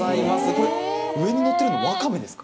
これ、上に乗っているのワカメですか？